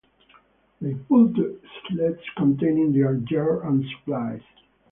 They pulled sleds containing their gear and supplies.